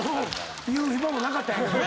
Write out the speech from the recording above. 言う暇もなかったんやけどね。